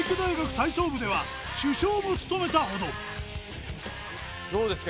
体操部では主将も務めたほどどうですか？